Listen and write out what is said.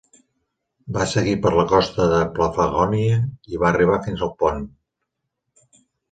Va seguir per la costa de Paflagònia i va arribar fins al Pont.